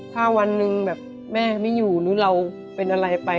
ถ้าวันหนึ่งแบบแม่ไม่อยู่หรือเราเป็นอะไรไป